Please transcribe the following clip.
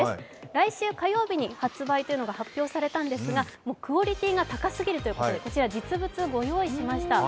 来週火曜日に発売が発表されたんですが、クオリティーが高すぎるということで実物、ご用意しました。